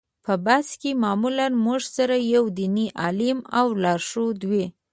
په بس کې معمولا موږ سره یو دیني عالم او لارښود وي.